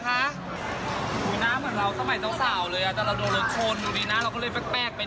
น้ำเหมือนเราสมัยสาวเลยแต่เราโดนละชนดูดินะเราก็เลยแป๊กไปน้อยนึง